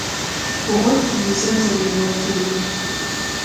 په غوږ کی می زنځه ننوتلی وه